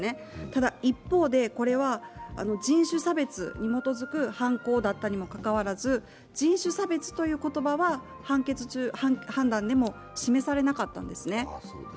ただ、一方でこれは人種差別に基づく犯行だったにもかかわらず人種差別という言葉は判決中、判断でも示されなかったんですね。